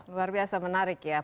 luar biasa menarik ya